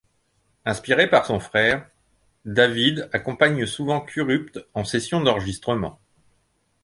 Inspiré par son frère, David accompagne souvent Kurupt en session d'enregistrement.